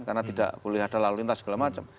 karena tidak boleh ada lalu lintas segala macam